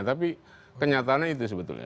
tapi kenyataannya itu sebetulnya